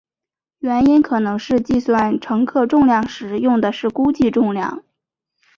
原因可能是计算乘客重量时用的是估计重量。